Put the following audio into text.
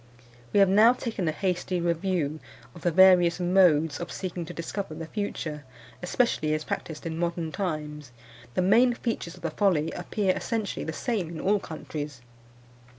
We have now taken a hasty review of the various modes of seeking to discover the future, especially as practised in modern times. The main features of the folly appear essentially the same in all countries.